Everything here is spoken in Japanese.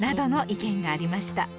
意見がありました